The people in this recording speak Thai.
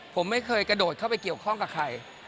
ผมไม่เคยกระโดดเข้าไปเกี่ยวข้องกับใคร